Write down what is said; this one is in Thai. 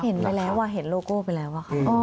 เห็นไปแล้วเห็นโลโก้ไปแล้วอะค่ะ